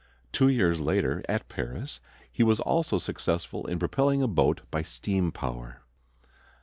Two years later, at Paris, he was also successful in propelling a boat by steam power.